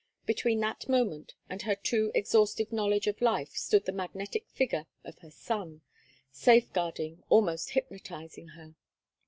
Between that moment and her too exhaustive knowledge of life stood the magnetic figure of her son, safeguarding, almost hypnotizing her.